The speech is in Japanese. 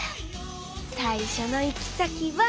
最初の行き先は。